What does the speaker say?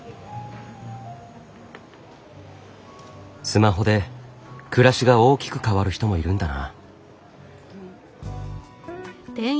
スマホで暮らしが大きく変わる人もいるんだな。